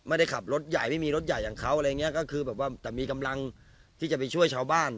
ไม่ได้ขับรถใหญ่ไม่มีรถใหญ่อย่างเขาอะไรอย่างเงี้ยก็คือแบบว่าแต่มีกำลังที่จะไปช่วยชาวบ้าน